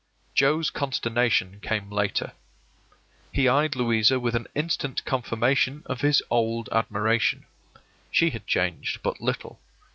Joe's consternation came later. He eyed Louisa with an instant confirmation of his old admiration. She had changed but little.